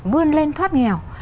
vươn lên thoát nghèo